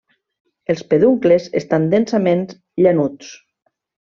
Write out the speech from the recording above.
Els peduncles estan densament llanuts.